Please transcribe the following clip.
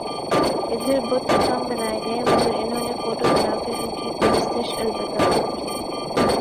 ادھر بت تو کم بنائےگئے مگر انہوں نے فوٹو بنا کر انکی پرستش البتہ خو ب کی